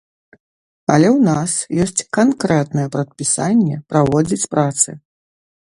Але ў нас ёсць канкрэтнае прадпісанне праводзіць працы.